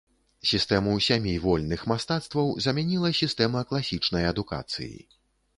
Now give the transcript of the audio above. Сістэму сямі вольных мастацтваў замяніла сістэма класічнай адукацыі.